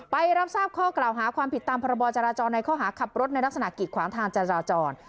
ไปรับทราบข้อกล่าวหาความผิดตามพรบจราจรในข้อหาขับรถในลักษณะกิจขวางทางจราจร